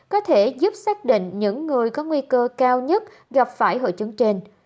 có thể giúp xác định những người có nguy cơ cao nhất gặp phải hội chứng trên